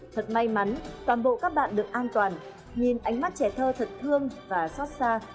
thật may mắn toàn bộ các bạn được an toàn nhìn ánh mắt trẻ thơ thật thương và xót xa